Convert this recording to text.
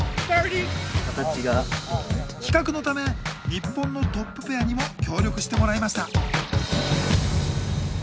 比較のため日本のトップペアにも協力してもらいました。